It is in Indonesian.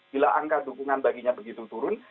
bila angka dukungan baginya begitu turun